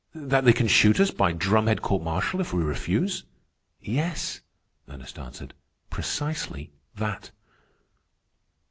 "That they can shoot us by drumhead court martial if we refuse?" "Yes," Ernest answered, "precisely that."